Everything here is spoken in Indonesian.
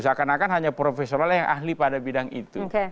seakan akan hanya profesional yang ahli pada bidang itu